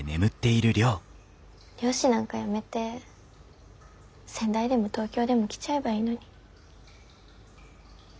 漁師なんかやめて仙台でも東京でも来ちゃえばいいのに。